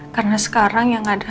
karena sekarang yang ada